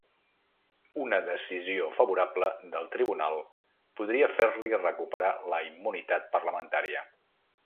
Una decisió favorable del tribunal podria fer-li recuperar la immunitat parlamentària.